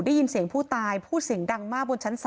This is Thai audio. ได้ยินเสียงผู้ตายพูดเสียงดังมากบนชั้น๓